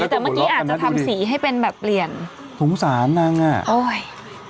แต่เมื่อกี้อาจจะทำสีให้เป็นแบบเปลี่ยนสงสารนางอ่ะโอ้ย